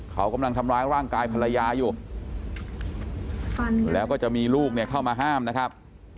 เขากำลังทำร้ายร่างกายภรรยาอยู่แล้วก็จะมีลูกเนี่ยเข้ามาห้ามนะครับ